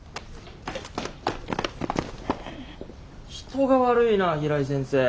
人が悪いな平井先生。